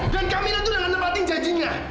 dan kamila itu nggak menempatkan janjinya